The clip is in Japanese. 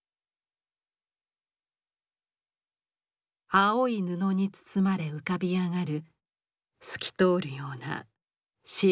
青い布に包まれ浮かび上がる透き通るような白い肌。